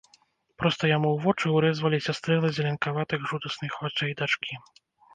Проста яму ў вочы ўрэзваліся стрэлы зеленкаватых жудасных вачэй дачкі.